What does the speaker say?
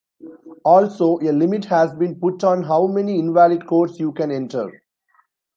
Also, a limit has been put on how many invalid codes you can enter.